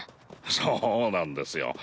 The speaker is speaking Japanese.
そうなんですよ。